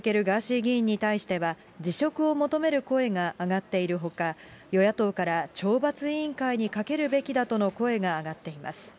議員に対しては、辞職を求める声が上がっているほか、与野党から懲罰委員会にかけるべきだとの声が上がっています。